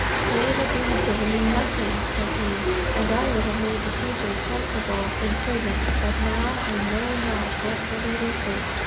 "Say that you had given me nothing," said he, "and I would have made the teachers comfortable in prison; but now I know not what will be their fate."